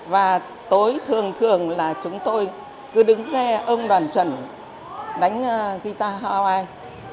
và tối thường thường là chúng tôi cứ đứng nghe ông đoàn chuẩn đánh guitar hawaii